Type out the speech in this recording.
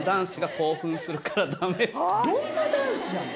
どんな男子やねん！